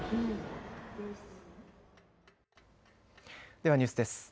ではニュースです。